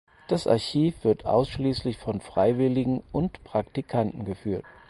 Das Archiv wird ausschließlich von Freiwilligen und Praktikanten geführt.